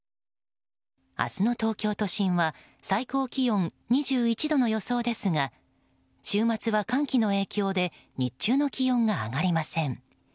明日の東京都心は最高気温２１度の予想ですが週末は寒気の影響で日中の気温が上がりません。